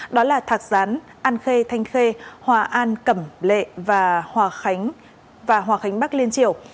đó là thạc gián an khê thanh khê hòa an cẩm lệ và hòa khánh bắc liên triều